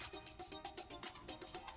tapi mau jual